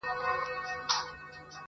په ماشومو یتیمانو به واسکټ نه سي منلای -